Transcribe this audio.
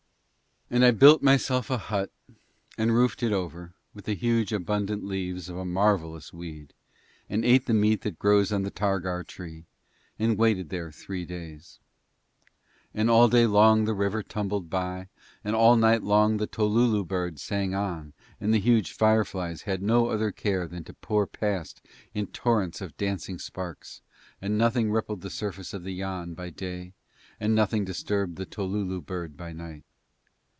And I built myself a hut and roofed it over with the huge abundant leaves of a marvellous weed and ate the meat that grows on the targar tree and waited there three days. And all day long the river tumbled by and all night long the tolulu bird sang on and the huge fireflies had no other care than to pour past in torrents of dancing sparks, and nothing rippled the surface of the Yann by day and nothing disturbed the tolulu bird by night.